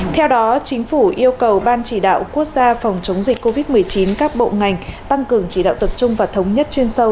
theo đó chính phủ yêu cầu ban chỉ đạo quốc gia phòng chống dịch covid một mươi chín các bộ ngành tăng cường chỉ đạo tập trung và thống nhất chuyên sâu